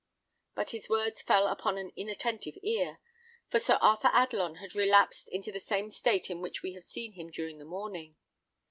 But his words fell upon an inattentive ear, for Sir Arthur Adelon had relapsed into the same state in which we have seen him during the morning.